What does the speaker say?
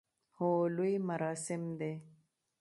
هو، لوی مراسم دی